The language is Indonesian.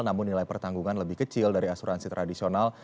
namun nilai pertanggungan lebih kecil dari asuransi tradisional